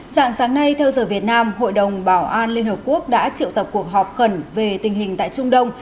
dạng sáng nay theo giờ việt nam hội đồng bảo an liên hợp quốc đã triệu tập cuộc họp khẩn về tình hình tại trung đông